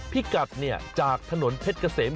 พี่กัดเนี่ยจากถนนเทศเกษม